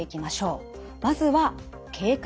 まずは経過です。